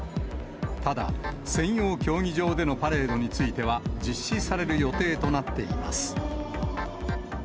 ただ、専用競技場でのパレードについては、実施される予定となっています。